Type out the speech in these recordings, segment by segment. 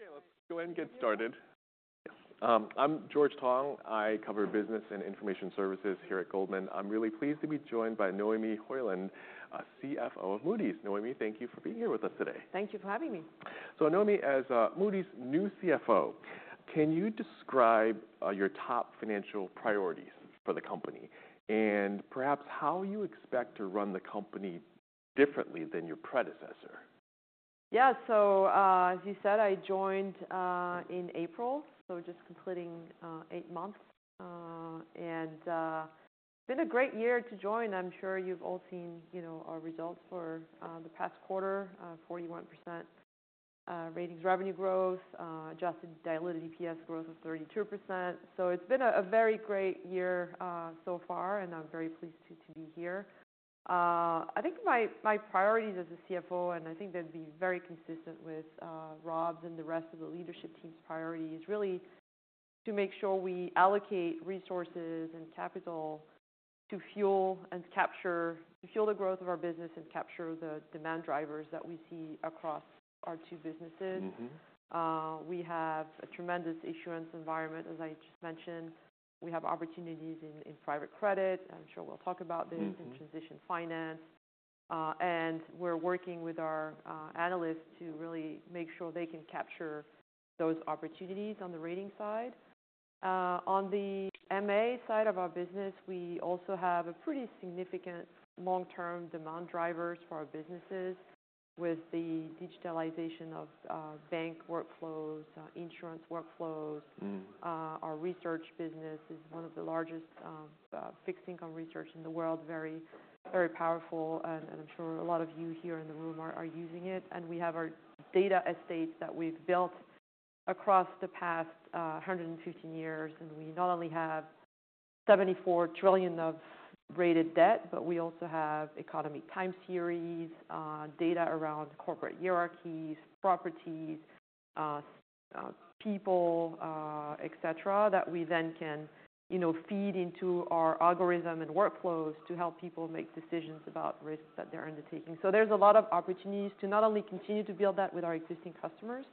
Okay, let's go ahead and get started. I'm George Tong. I cover business and information services here at Goldman. I'm really pleased to be joined by Noémie Heuland, CFO of Moody's. Noémie, thank you for being here with us today. Thank you for having me. So, Noémie, as Moody's new CFO, can you describe your top financial priorities for the company and perhaps how you expect to run the company differently than your predecessor? Yeah, so as you said, I joined in April, so just completing eight months, and it's been a great year to join. I'm sure you've all seen our results for the past quarter: 41% revenue growth, adjusted diluted EPS growth of 32%, so it's been a very great year so far, and I'm very pleased to be here. I think my priorities as a CFO, and I think they'd be very consistent with Rob's and the rest of the leadership team's priorities, really to make sure we allocate resources and capital to fuel and capture the growth of our business and capture the demand drivers that we see across our two businesses. We have a tremendous issuance environment, as I just mentioned. We have opportunities in private credit. I'm sure we'll talk about this in transition finance. We're working with our analysts to really make sure they can capture those opportunities on the rating side. On the MA side of our business, we also have a pretty significant long-term demand drivers for our businesses with the digitalization of bank workflows, insurance workflows. Our research business is one of the largest fixed-income research in the world, very powerful, and I'm sure a lot of you here in the room are using it. We have our data estates that we've built across the past 115 years. We not only have $74 trillion of rated debt, but we also have economy time series, data around corporate hierarchies, properties, people, etc., that we then can feed into our algorithm and workflows to help people make decisions about risks that they're undertaking. So there's a lot of opportunities to not only continue to build that with our existing customers,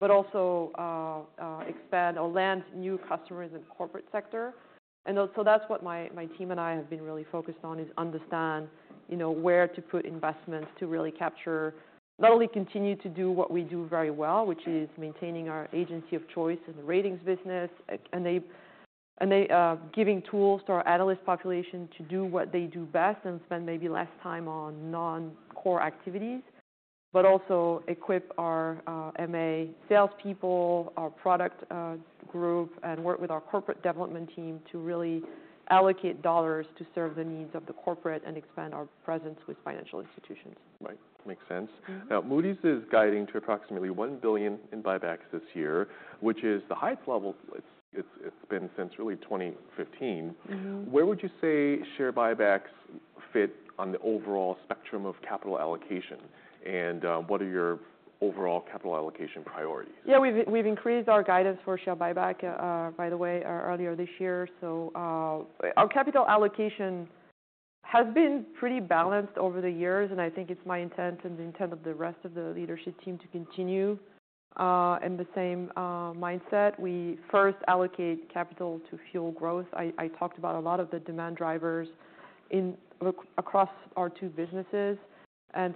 but also expand or land new customers in the corporate sector, and so that's what my team and I have been really focused on, is understand where to put investments to really capture not only continue to do what we do very well, which is maintaining our agency of choice in the ratings business and giving tools to our analyst population to do what they do best and spend maybe less time on non-core activities, but also equip our MA sales people, our product group, and work with our corporate development team to really allocate dollars to serve the needs of the corporate and expand our presence with financial institutions. Right. Makes sense. Now, Moody's is guiding to approximately $1 billion in buybacks this year, which is the highest level it's been since really 2015. Where would you say share buybacks fit on the overall spectrum of capital allocation? And what are your overall capital allocation priorities? Yeah, we've increased our guidance for share buyback, by the way, earlier this year. So our capital allocation has been pretty balanced over the years, and I think it's my intent and the intent of the rest of the leadership team to continue in the same mindset. We first allocate capital to fuel growth. I talked about a lot of the demand drivers across our two businesses. And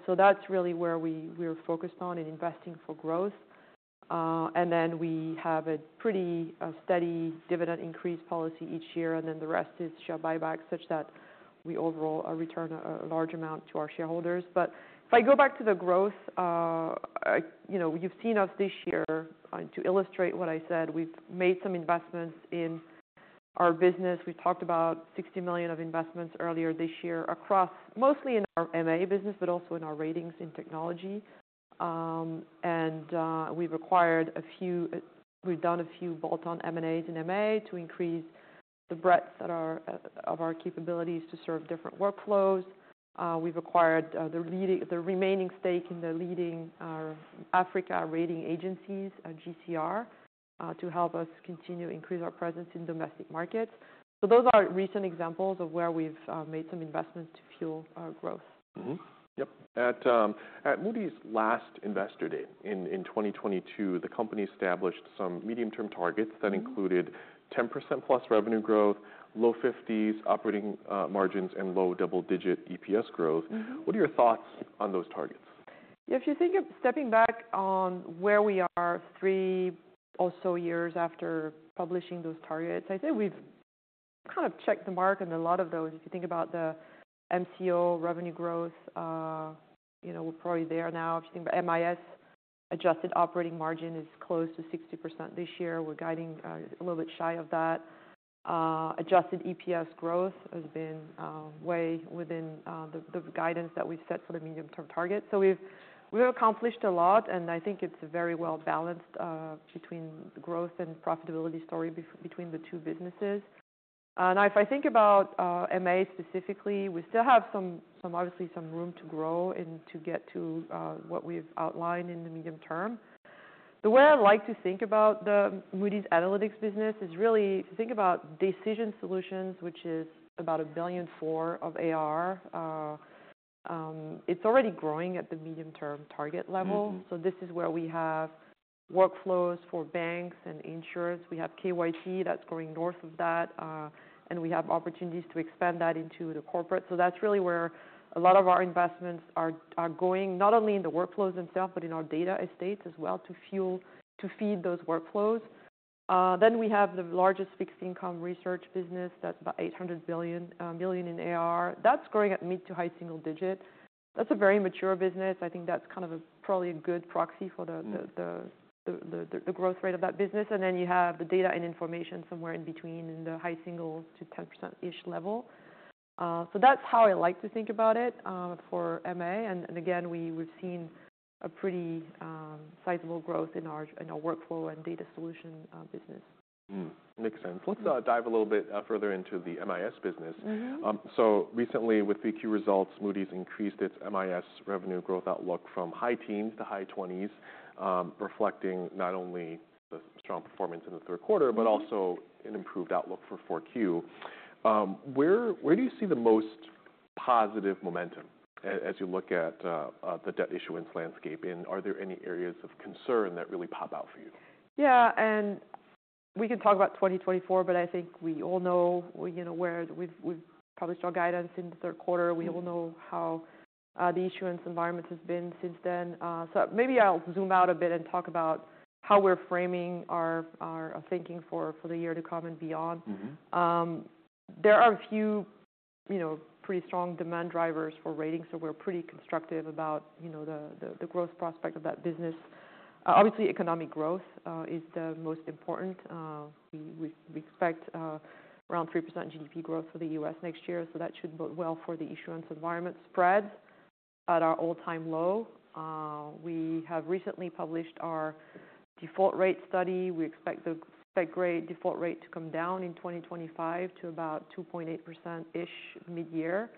so that's really where we are focused on in investing for growth. And then we have a pretty steady dividend increase policy each year. And then the rest is share buybacks such that we overall return a large amount to our shareholders. But if I go back to the growth, you've seen us this year. To illustrate what I said, we've made some investments in our business. We've talked about $60 million of investments earlier this year across mostly in our MA business, but also in our ratings in technology. And we've acquired a few, we've done a few bolt-on M&As in MA to increase the breadth of our capabilities to serve different workflows. We've acquired the remaining stake in the leading African rating agency, GCR, to help us continue to increase our presence in domestic markets, so those are recent examples of where we've made some investments to fuel our growth. Yep. At Moody's last Investor Day in 2022, the company established some medium-term targets that included 10% plus revenue growth, low 50s operating margins, and low double-digit EPS growth. What are your thoughts on those targets? Yeah, if you think of stepping back on where we are three or so years after publishing those targets, I think we've kind of checked the mark. And a lot of those, if you think about the MCO revenue growth, we're probably there now. If you think about MIS, adjusted operating margin is close to 60% this year. We're guiding a little bit shy of that. Adjusted EPS growth has been way within the guidance that we've set for the medium-term target. So we've accomplished a lot, and I think it's very well balanced between the growth and profitability story between the two businesses. Now, if I think about MA specifically, we still have obviously some room to grow and to get to what we've outlined in the medium term. The way I like to think about the Moody's Analytics business is really to think about Decision Solutions, which is about $1.4 billion of ARR. It's already growing at the medium-term target level, so this is where we have workflows for banks and insurance. We have KYC that's going north of that, and we have opportunities to expand that into the corporate, so that's really where a lot of our investments are going, not only in the workflows themselves, but in our data estates as well to feed those workflows. Then we have the largest fixed-income research business, that's about $800 million in ARR. That's growing at mid- to high-single-digit. That's a very mature business. I think that's kind of probably a good proxy for the growth rate of that business. And then you have the Data and Information somewhere in between in the high single to 10%-ish level. So that's how I like to think about it for MA. And again, we've seen a pretty sizable growth in our workflow and data solution business. Makes sense. Let's dive a little bit further into the MIS business. So recently, with Q3 results, Moody's increased its MIS revenue growth outlook from high teens to high 20s, reflecting not only the strong performance in the third quarter, but also an improved outlook for 4Q. Where do you see the most positive momentum as you look at the debt issuance landscape? And are there any areas of concern that really pop out for you? Yeah, and we can talk about 2024, but I think we all know where we've published our guidance in the third quarter. We all know how the issuance environment has been since then. So maybe I'll zoom out a bit and talk about how we're framing our thinking for the year to come and beyond. There are a few pretty strong demand drivers for ratings, so we're pretty constructive about the growth prospect of that business. Obviously, economic growth is the most important. We expect around 3% GDP growth for the U.S. next year. So that should bode well for the issuance environment. Spreads at our all-time low. We have recently published our default rate study. We expect the investment grade default rate to come down in 2025 to about 2.8%-ish mid-year.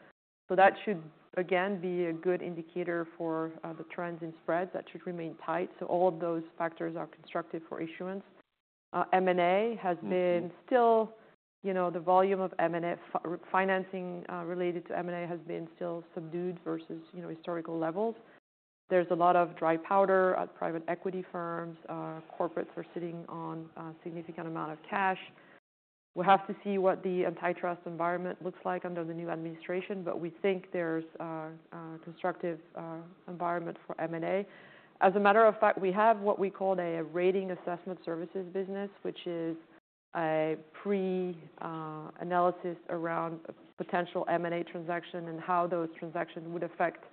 So that should, again, be a good indicator for the trends in spreads. That should remain tight. All of those factors are constructive for issuance. The volume of M&A financing related to M&A has been still subdued versus historical levels. There's a lot of dry powder at private equity firms. Corporates are sitting on a significant amount of cash. We'll have to see what the antitrust environment looks like under the new administration, but we think there's a constructive environment for M&A. As a matter of fact, we have what we call a rating assessment services business, which is a pre-analysis around potential M&A transactions and how those transactions would affect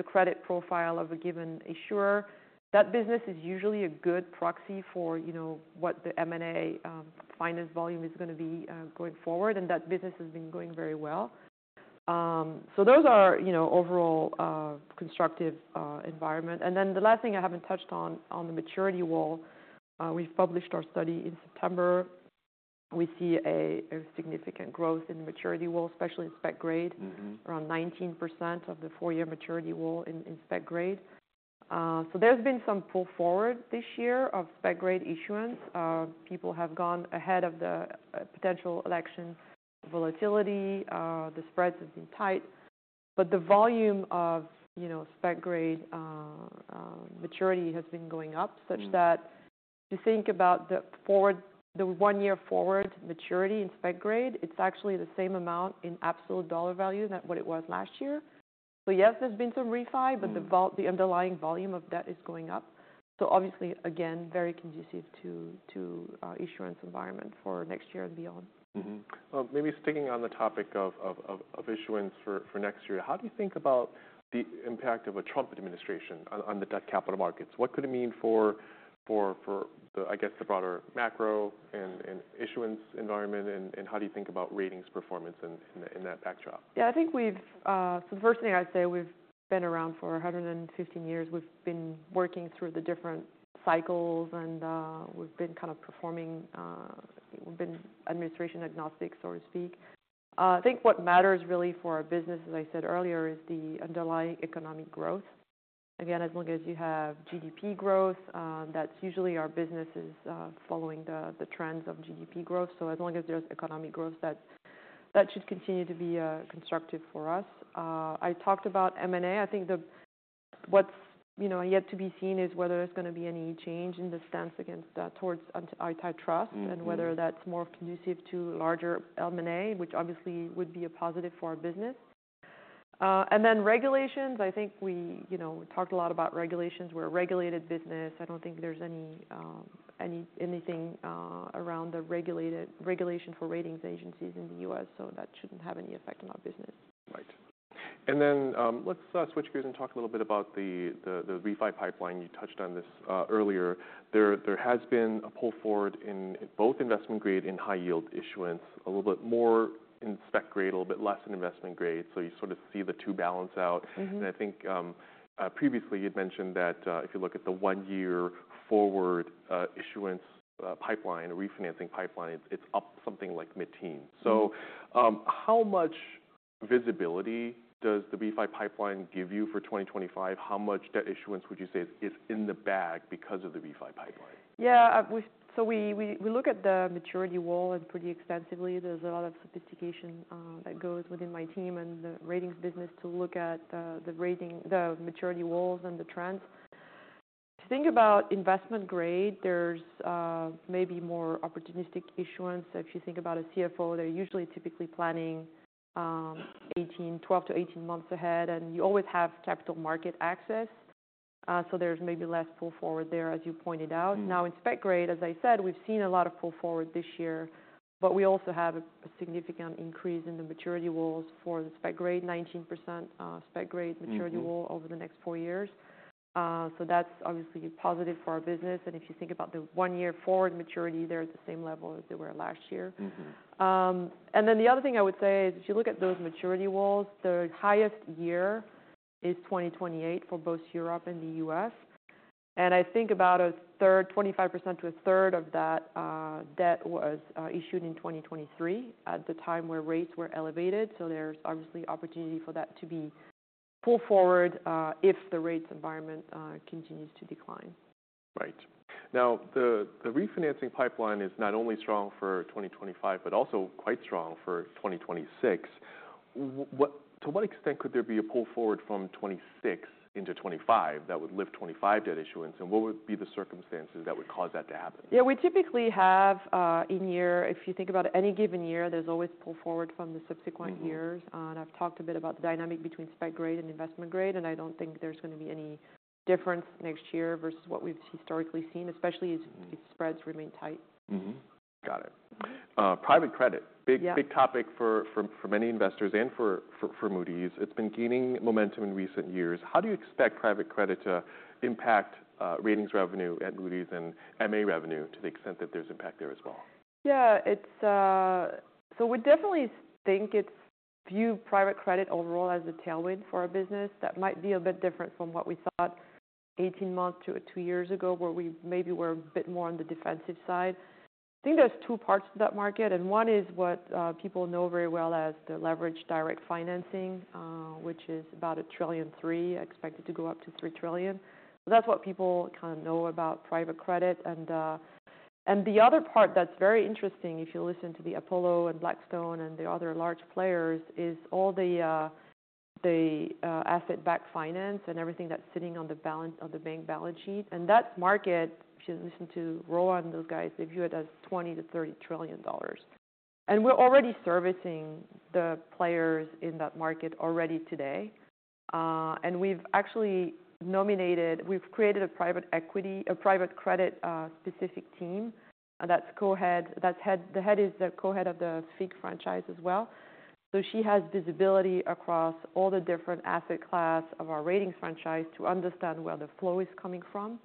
the credit profile of a given issuer. That business is usually a good proxy for what the M&A finance volume is going to be going forward, and that business has been going very well. Those are overall constructive environments. And then the last thing I haven't touched on, on the maturity wall, we've published our study in September. We see a significant growth in the maturity wall, especially in spec grade, around 19% of the four-year maturity wall in spec grade. So there's been some pull forward this year of spec grade issuance. People have gone ahead of the potential election volatility. The spreads have been tight, but the volume of spec grade maturity has been going up such that if you think about the one-year forward maturity in spec grade, it's actually the same amount in absolute dollar value than what it was last year. So yes, there's been some refi, but the underlying volume of debt is going up. So obviously, again, very conducive to the issuance environment for next year and beyond. Maybe sticking on the topic of issuance for next year, how do you think about the impact of a Trump administration on the debt capital markets? What could it mean for, I guess, the broader macro and issuance environment? And how do you think about ratings performance in that backdrop? Yeah, I think so the first thing I'd say. We've been around for 115 years. We've been working through the different cycles, and we've been kind of performing. We've been administration agnostic, so to speak. I think what matters really for our business, as I said earlier, is the underlying economic growth. Again, as long as you have GDP growth, that's usually our business is following the trends of GDP growth. So as long as there's economic growth, that should continue to be constructive for us. I talked about M&A. I think what's yet to be seen is whether there's going to be any change in the stance towards antitrust and whether that's more conducive to larger M&A, which obviously would be a positive for our business. Then regulations, I think we talked a lot about regulations. We're a regulated business. I don't think there's anything around the regulation for rating agencies in the U.S., so that shouldn't have any effect on our business. Right. And then let's switch gears and talk a little bit about the refi pipeline. You touched on this earlier. There has been a pull forward in both investment grade and high-yield issuance, a little bit more in spec grade, a little bit less in investment grade. So you sort of see the two balance out. And I think previously you'd mentioned that if you look at the one-year forward issuance pipeline, refinancing pipeline, it's up something like mid-teens. So how much visibility does the refi pipeline give you for 2025? How much debt issuance would you say is in the bag because of the refi pipeline? Yeah, so we look at the maturity wall pretty extensively. There's a lot of sophistication that goes within my team and the ratings business to look at the maturity walls and the trends. If you think about Investment Grade, there's maybe more opportunistic issuance. If you think about a CFO, they're usually typically planning 12-18 months ahead, and you always have capital market access. So there's maybe less pull forward there, as you pointed out. Now, in spec grade, as I said, we've seen a lot of pull forward this year, but we also have a significant increase in the maturity walls for the spec grade, 19% spec grade maturity wall over the next four years. So that's obviously positive for our business. And if you think about the one-year forward maturity, they're at the same level as they were last year. And then the other thing I would say is if you look at those maturity walls, the highest year is 2028 for both Europe and the U.S. And I think about a third, 25% to a third of that debt was issued in 2023 at the time where rates were elevated. So there's obviously opportunity for that to be pulled forward if the rates environment continues to decline. Right. Now, the refinancing pipeline is not only strong for 2025, but also quite strong for 2026. To what extent could there be a pull forward from 2026 into 2025 that would lift 2025 debt issuance? And what would be the circumstances that would cause that to happen? Yeah, we typically have in year, if you think about any given year, there's always pull forward from the subsequent years, and I've talked a bit about the dynamic between spec grade and investment grade, and I don't think there's going to be any difference next year versus what we've historically seen, especially if spreads remain tight. Got it. Private credit, big topic for many investors and for Moody's. It's been gaining momentum in recent years. How do you expect private credit to impact ratings revenue at Moody's and MA revenue to the extent that there's impact there as well? Yeah, so we definitely view private credit overall as a tailwind for our business. That might be a bit different from what we thought 18 months to two years ago, where we maybe were a bit more on the defensive side. I think there's two parts to that market, and one is what people know very well as the leveraged direct financing, which is about $1.3 trillion expected to go up to $3 trillion. So that's what people kind of know about private credit. And the other part that's very interesting, if you listen to Apollo and Blackstone and the other large players, is all the asset-backed finance and everything that's sitting on the bank balance sheet. And that market, if you listen to Rowan, those guys they view it as $20-$30 trillion. And we're already servicing the players in that market already today. We've actually nominated. We've created a private equity, a private credit-specific team that's co-head. The head is the co-head of the FIG franchise as well. She has visibility across all the different asset classes of our ratings franchise to understand where the flow is coming from.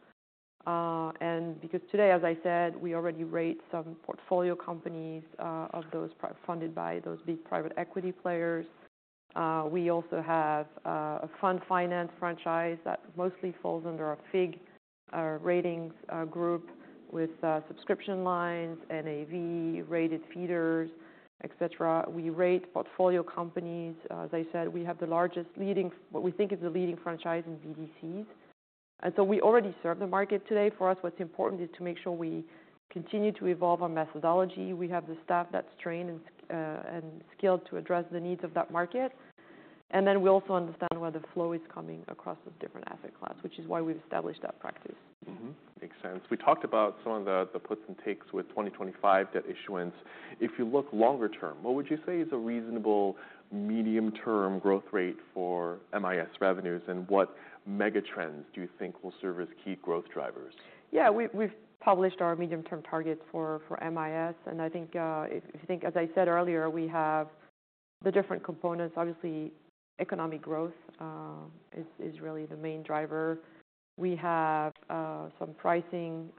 Because today, as I said, we already rate some portfolio companies of those funded by those big private equity players. We also have a fund finance franchise that mostly falls under our FIG ratings group with subscription lines, NAV, rated feeders, et cetera. We rate portfolio companies. As I said, we have the largest leading, what we think is the leading franchise in BDCs. We already serve the market today. For us, what's important is to make sure we continue to evolve our methodology. We have the staff that's trained and skilled to address the needs of that market. We also understand where the flow is coming across those different asset classes, which is why we've established that practice. Makes sense. We talked about some of the puts and takes with 2025 debt issuance. If you look longer term, what would you say is a reasonable medium-term growth rate for MIS revenues? And what mega trends do you think will serve as key growth drivers? Yeah, we've published our medium-term targets for MIS, and I think, as I said earlier, we have the different components. Obviously, economic growth is really the main driver. We have some pricing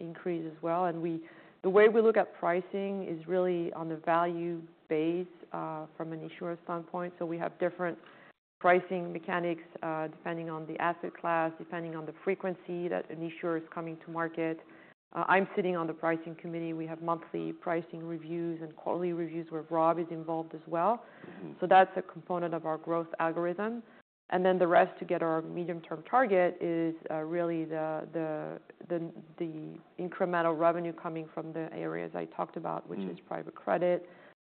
increase as well, and the way we look at pricing is really on the value base from an issuer standpoint, so we have different pricing mechanics depending on the asset class, depending on the frequency that an issuer is coming to market. I'm sitting on the pricing committee. We have monthly pricing reviews and quarterly reviews where Rob is involved as well, so that's a component of our growth algorithm, and then the rest to get our medium-term target is really the incremental revenue coming from the areas I talked about, which is private credit,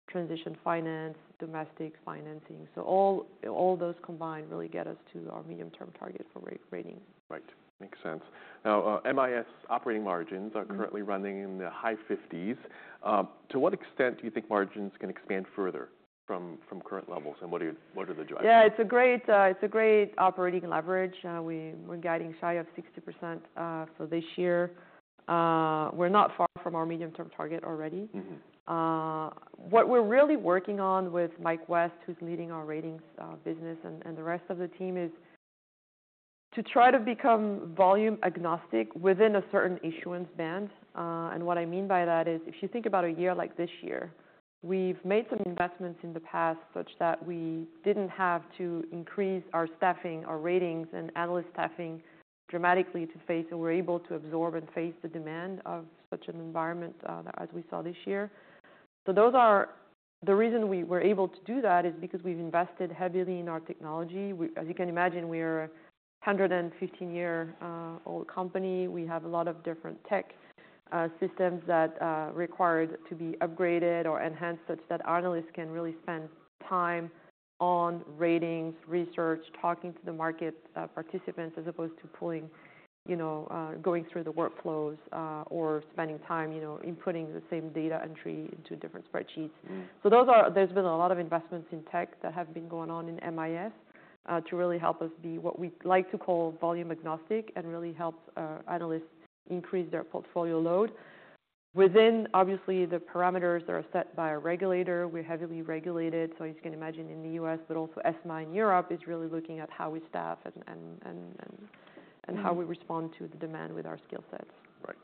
transition finance, domestic financing, so all those combined really get us to our medium-term target for ratings. Right. Makes sense. Now, MIS operating margins are currently running in the high 50s%. To what extent do you think margins can expand further from current levels? And what are the drivers? Yeah, it's a great operating leverage. We're getting shy of 60% for this year. We're not far from our medium-term target already. What we're really working on with Mike West, who's leading our ratings business and the rest of the team, is to try to become volume agnostic within a certain issuance band, and what I mean by that is if you think about a year like this year, we've made some investments in the past such that we didn't have to increase our staffing, our ratings and analyst staffing dramatically to face, and we're able to absorb and face the demand of such an environment as we saw this year, so the reason we were able to do that is because we've invested heavily in our technology. As you can imagine, we're a 115-year-old company. We have a lot of different tech systems that required to be upgraded or enhanced such that analysts can really spend time on ratings, research, talking to the market participants, as opposed to pulling, going through the workflows or spending time inputting the same data entry into different spreadsheets. So there's been a lot of investments in tech that have been going on in MIS to really help us be what we like to call volume agnostic and really help analysts increase their portfolio load within, obviously, the parameters that are set by a regulator. We're heavily regulated. So as you can imagine, in the U.S., but also ESMA in Europe is really looking at how we staff and how we respond to the demand with our skill sets. Right.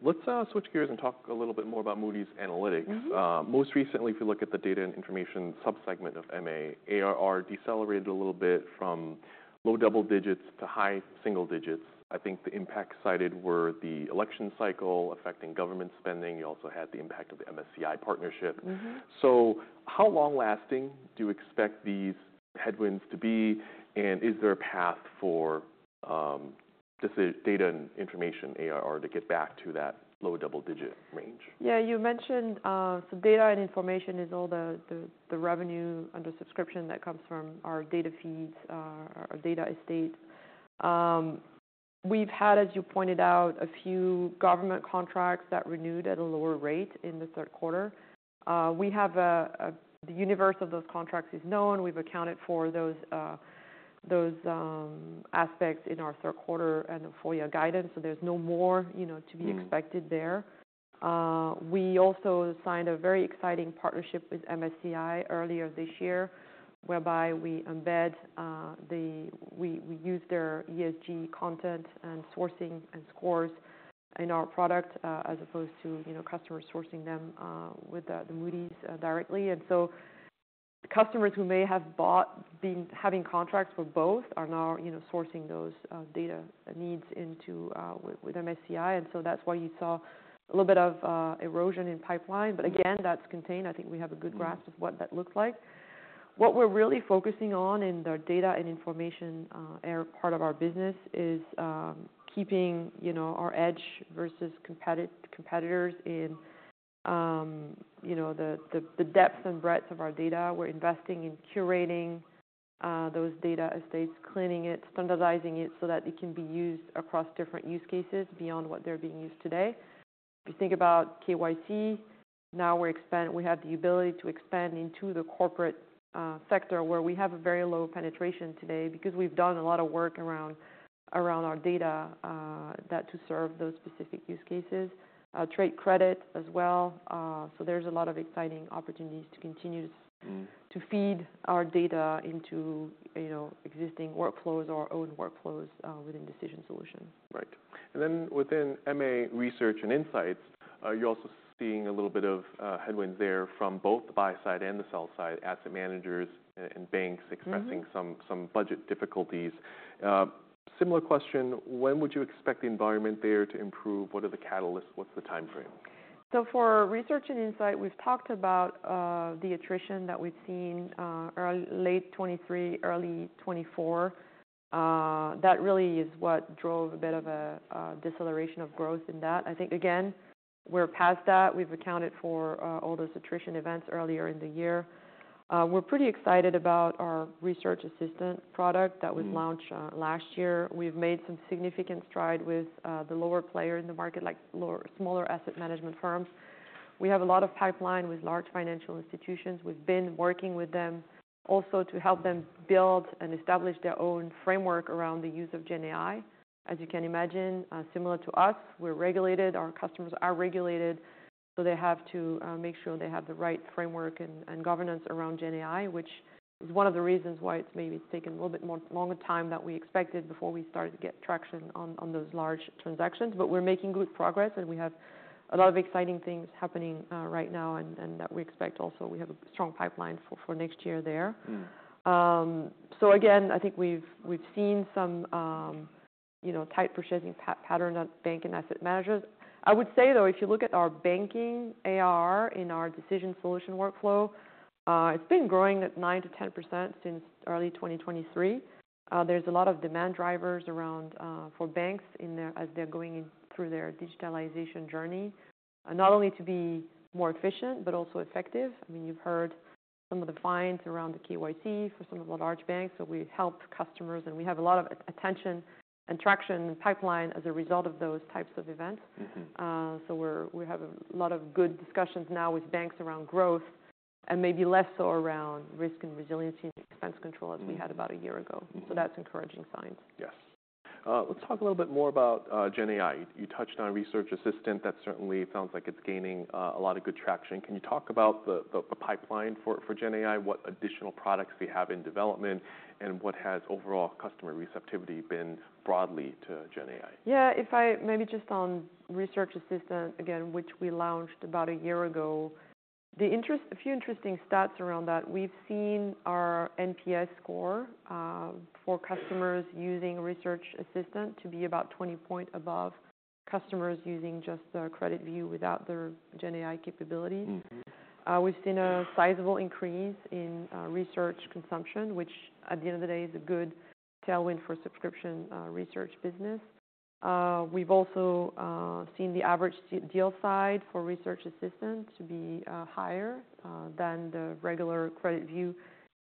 Let's switch gears and talk a little bit more about Moody's Analytics. Most recently, if you look at the Data and Information subsegment of MA, ARR decelerated a little bit from low double digits to high single digits. I think the impact cited were the election cycle affecting government spending. You also had the impact of the MSCI partnership. So how long lasting do you expect these headwinds to be? And is there a path for Data and Information ARR to get back to that low double digit range? Yeah, you mentioned so Data and Information is all the revenue under subscription that comes from our data feeds, our data estate. We've had, as you pointed out, a few government contracts that renewed at a lower rate in the third quarter. The universe of those contracts is known. We've accounted for those aspects in our third quarter and the full year guidance. So there's no more to be expected there. We also signed a very exciting partnership with MSCI earlier this year, whereby we embed, we use their ESG content and sourcing and scores in our product as opposed to customers sourcing them from Moody's directly. And so customers who may have bought been having contracts for both are now sourcing those data needs with MSCI. And so that's why you saw a little bit of erosion in pipeline. But again, that's contained. I think we have a good grasp of what that looks like. What we're really focusing on in the Data and Information part of our business is keeping our edge versus competitors in the depth and breadth of our data. We're investing in curating those data estates, cleaning it, standardizing it so that it can be used across different use cases beyond what they're being used today. If you think about KYC, now we have the ability to expand into the corporate sector where we have a very low penetration today because we've done a lot of work around our data to serve those specific use cases. Trade credit as well. So there's a lot of exciting opportunities to continue to feed our data into existing workflows or our own workflows within Decision Solutions. Right. And then within MA Research and Insights, you're also seeing a little bit of headwinds there from both the buy side and the sell side, asset managers and banks expressing some budget difficulties. Similar question, when would you expect the environment there to improve? What are the catalysts? What's the timeframe? So for Research and Insights, we've talked about the attrition that we've seen early 2023, early 2024. That really is what drove a bit of a deceleration of growth in that. I think, again, we're past that. We've accounted for all those attrition events earlier in the year. We're pretty excited about our Research Assistant product that was launched last year. We've made some significant stride with the lower players in the market, like smaller asset management firms. We have a lot of pipeline with large financial institutions. We've been working with them also to help them build and establish their own framework around the use of GenAI. As you can imagine, similar to us, we're regulated. Our customers are regulated. They have to make sure they have the right framework and governance around GenAI, which is one of the reasons why it's maybe taken a little bit more longer time than we expected before we started to get traction on those large transactions. But we're making good progress, and we have a lot of exciting things happening right now and that we expect also. We have a strong pipeline for next year there. Again, I think we've seen some tight purchasing pattern of bank and asset managers. I would say, though, if you look at our banking ARR in our Decision Solutions workflow, it's been growing at 9%-10% since early 2023. There's a lot of demand drivers around for banks as they're going through their digitalization journey, not only to be more efficient, but also effective. I mean, you've heard some of the fines around the KYC for some of the large banks. So we help customers, and we have a lot of attention and traction and pipeline as a result of those types of events. So we have a lot of good discussions now with banks around growth and maybe less so around risk and resiliency and expense control as we had about a year ago. So that's encouraging signs. Yes. Let's talk a little bit more about GenAI. You touched on Research Assistant. That certainly sounds like it's gaining a lot of good traction. Can you talk about the pipeline for GenAI, what additional products they have in development, and what has overall customer receptivity been broadly to GenAI? Yeah, if I maybe just on Research Assistant, again, which we launched about a year ago, a few interesting stats around that. We've seen our NPS score for customers using Research Assistant to be about 20 points above customers using just the CreditView without their GenAI capabilities. We've seen a sizable increase in research consumption, which at the end of the day is a good tailwind for subscription research business. We've also seen the average deal size for Research Assistant to be higher than the regular CreditView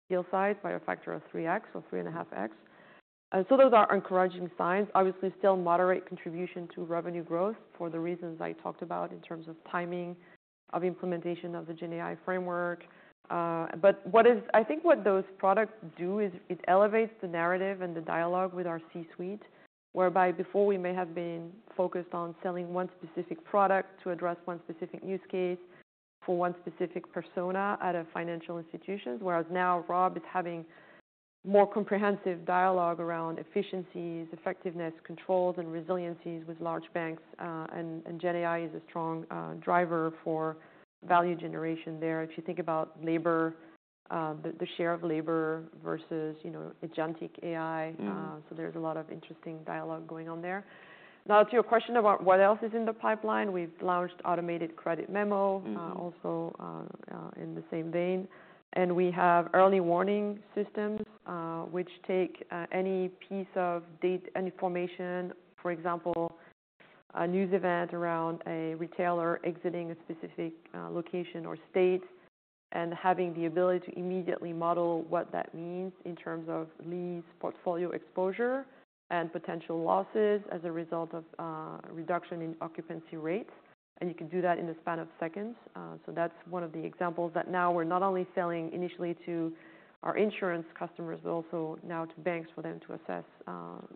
deal size by a factor of 3x or 3.5x. So those are encouraging signs. Obviously, still moderate contribution to revenue growth for the reasons I talked about in terms of timing of implementation of the GenAI framework. But I think what those products do is it elevates the narrative and the dialogue with our C-suite, whereby before we may have been focused on selling one specific product to address one specific use case for one specific persona at a financial institution, whereas now Rob is having more comprehensive dialogue around efficiencies, effectiveness, controls, and resiliencies with large banks. And GenAI is a strong driver for value generation there. If you think about labor, the share of labor versus agentic AI. So there's a lot of interesting dialogue going on there. Now, to your question about what else is in the pipeline, we've launched Automated Credit Memo also in the same vein. We have Early Warning Systems, which take any piece of data, any information, for example, a news event around a retailer exiting a specific location or state and having the ability to immediately model what that means in terms of lease portfolio exposure, and potential losses as a result of reduction in occupancy rates. You can do that in the span of seconds. That's one of the examples that now we're not only selling initially to our insurance customers, but also now to banks for them to assess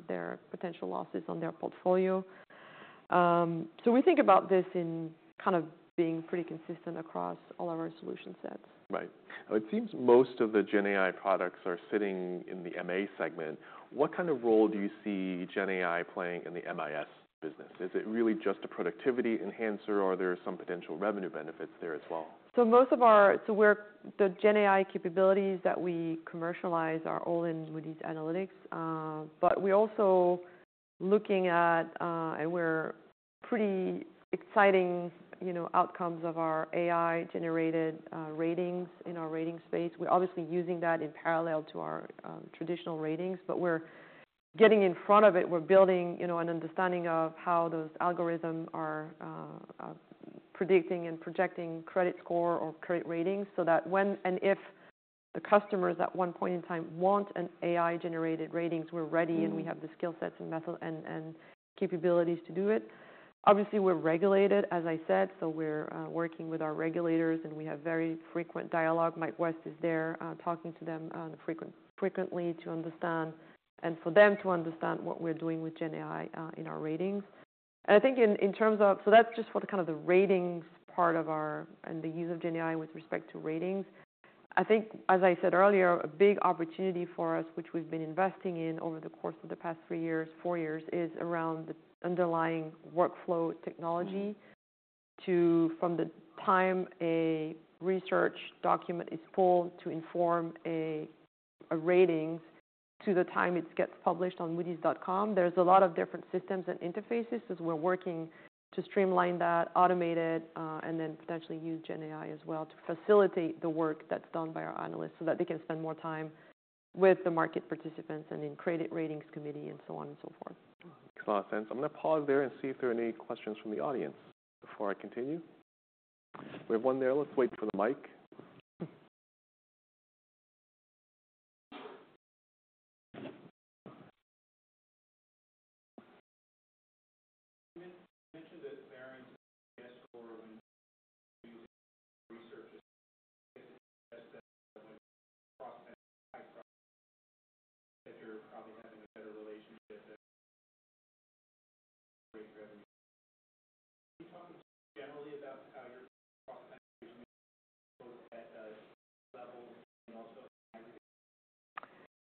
their potential losses on their portfolio. We think about this in kind of being pretty consistent across all of our solution sets. Right. It seems most of the GenAI products are sitting in the MA segment. What kind of role do you see GenAI playing in the MIS business? Is it really just a productivity enhancer, or are there some potential revenue benefits there as well? So most of our GenAI capabilities that we commercialize are all in Moody's Analytics. But we're also looking at, and we're pretty excited about the outcomes of our AI-generated ratings in our ratings space. We're obviously using that in parallel to our traditional ratings, but we're getting in front of it. We're building an understanding of how those algorithms are predicting and projecting credit score or credit ratings so that when and if the customers at one point in time want an AI-generated rating, we're ready and we have the skill sets and capabilities to do it. Obviously, we're regulated, as I said. So we're working with our regulators, and we have very frequent dialogue. Mike West is there talking to them frequently to understand and for them to understand what we're doing with GenAI in our ratings. I think in terms of, so that's just for the kind of the ratings part of our and the use of GenAI with respect to ratings. I think, as I said earlier, a big opportunity for us, which we've been investing in over the course of the past three years, four years, is around the underlying workflow technology from the time a research document is pulled to inform a rating to the time it gets published on moodys.com. There's a lot of different systems and interfaces. So we're working to streamline that, automate it, and then potentially use GenAI as well to facilitate the work that's done by our analysts so that they can spend more time with the market participants and in credit ratings committee and so on and so forth. Makes a lot of sense. I'm going to pause there and see if there are any questions from the audience before I continue. We have one there. Let's wait for the mic.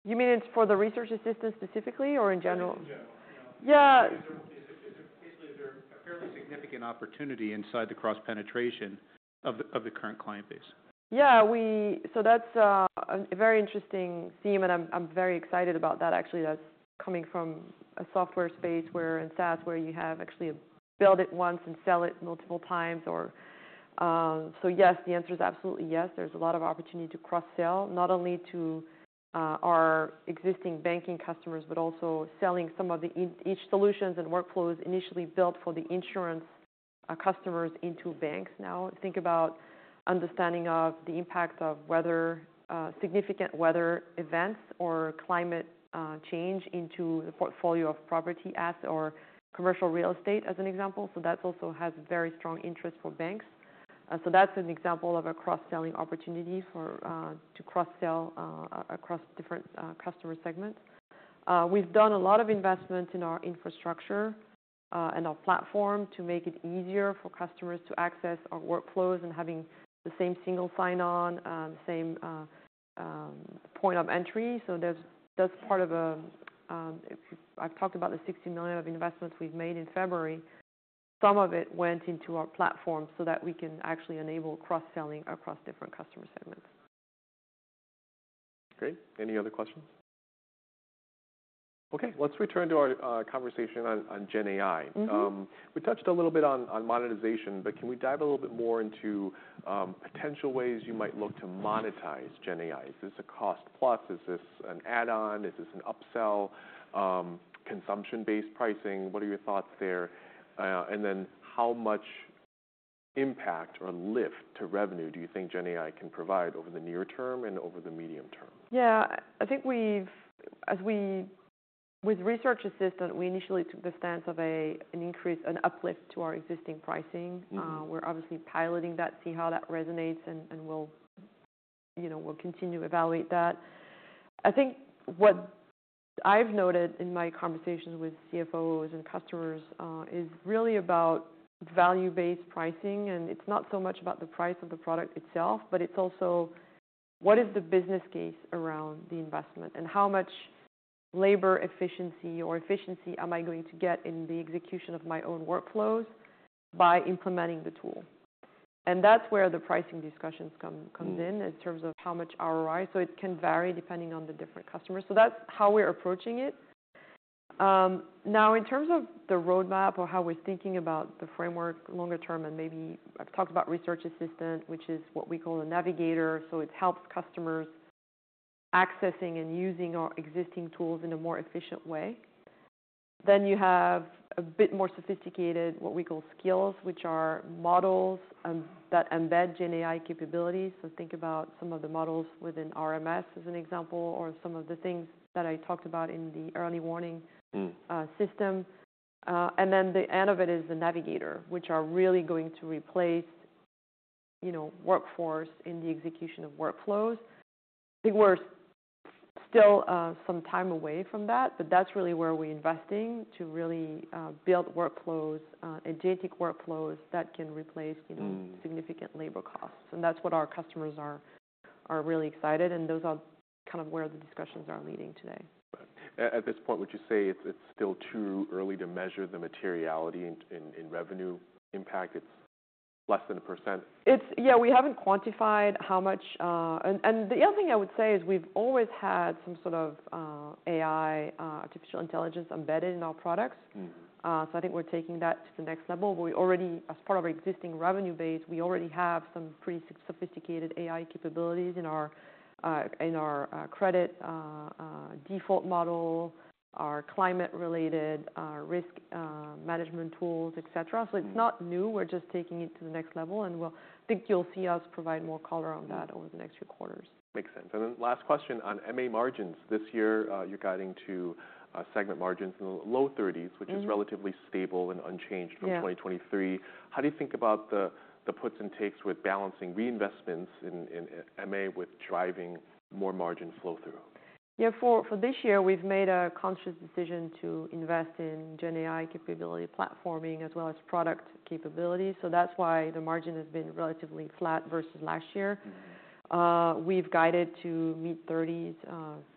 You mentioned the NPS score when Research Assistant is across the country, that you're probably having a better relationship. Can you talk generally about how your cross-sell levels and also? You mean it's for the research assistant specifically or in general? Yeah. Basically, is there a fairly significant opportunity inside the cross-penetration of the current client base? Yeah. So that's a very interesting theme, and I'm very excited about that. Actually, that's coming from a software space where in SaaS where you have actually build it once and sell it multiple times. So yes, the answer is absolutely yes. There's a lot of opportunity to cross-sell, not only to our existing banking customers, but also selling some of the MA solutions and workflows initially built for the insurance customers into banks now. Think about understanding of the impact of significant weather events or climate change into the portfolio of property assets or commercial real estate, as an example. So that also has very strong interest for banks. So that's an example of a cross-selling opportunity to cross-sell across different customer segments. We've done a lot of investment in our infrastructure and our platform to make it easier for customers to access our workflows and having the same single sign-on, same point of entry. So that's part of what I've talked about the $60 million of investments we've made in February. Some of it went into our platform so that we can actually enable cross-selling across different customer segments. Great. Any other questions? Okay. Let's return to our conversation on GenAI. We touched a little bit on monetization, but can we dive a little bit more into potential ways you might look to monetize GenAI? Is this a cost plus? Is this an add-on? Is this an upsell? Consumption-based pricing, what are your thoughts there? And then how much impact or lift to revenue do you think GenAI can provide over the near term and over the medium term? Yeah. I think as we with Research Assistant, we initially took the stance of an increase, an uplift to our existing pricing. We're obviously piloting that, see how that resonates, and we'll continue to evaluate that. I think what I've noted in my conversations with CFOs and customers is really about value-based pricing. And it's not so much about the price of the product itself, but it's also what is the business case around the investment and how much labor efficiency or efficiency am I going to get in the execution of my own workflows by implementing the tool. And that's where the pricing discussions come in in terms of how much ROI. So it can vary depending on the different customers. So that's how we're approaching it. Now, in terms of the roadmap or how we're thinking about the framework longer term, and maybe I've talked about Research Assistant, which is what we call a navigator. So it helps customers accessing and using our existing tools in a more efficient way. Then you have a bit more sophisticated, what we call skills, which are models that embed GenAI capabilities. So think about some of the models within RMS, as an example, or some of the things that I talked about in the Early Warning System. And then the end of it is the agents, which are really going to replace workforce in the execution of workflows. I think we're still some time away from that, but that's really where we're investing to really build workflows, agentic workflows that can replace significant labor costs. And that's what our customers are really excited. Those are kind of where the discussions are leading today. At this point, would you say it's still too early to measure the materiality in revenue impact? It's less than 1%? Yeah. We haven't quantified how much. And the other thing I would say is we've always had some sort of AI, artificial intelligence embedded in our products. So I think we're taking that to the next level. As part of our existing revenue base, we already have some pretty sophisticated AI capabilities in our credit default model, our climate-related risk management tools, etc. So it's not new. We're just taking it to the next level. And I think you'll see us provide more color on that over the next few quarters. Makes sense. And then last question on MA margins. This year, you're guiding to segment margins in the low 30s, which is relatively stable and unchanged from 2023. How do you think about the puts and takes with balancing reinvestments in MA with driving more margin flow-through? Yeah. For this year, we've made a conscious decision to invest in GenAI capability platforming as well as product capability. So that's why the margin has been relatively flat versus last year. We've guided to mid-30s%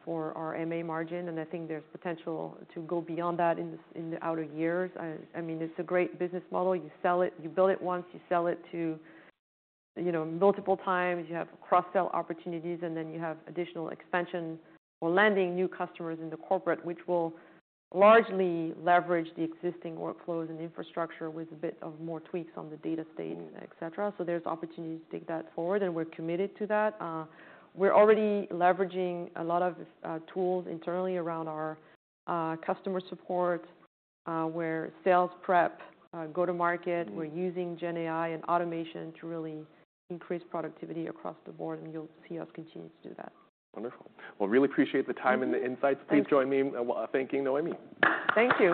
for our MA margin. And I think there's potential to go beyond that in the outer years. I mean, it's a great business model. You sell it. You build it once. You sell it multiple times. You have cross-sell opportunities, and then you have additional expansion or landing new customers in the corporate, which will largely leverage the existing workflows and infrastructure with a bit more tweaks on the data state, etc. So there's opportunities to take that forward, and we're committed to that. We're already leveraging a lot of tools internally around our customer support, sales prep, go-to-market. We're using GenAI and automation to really increase productivity across the board. You'll see us continue to do that. Wonderful. Well, really appreciate the time and the insights. Please join me in thanking Noémie. Thank you.